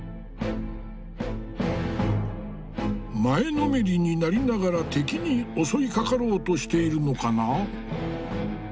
前のめりになりながら敵に襲いかかろうとしているのかな？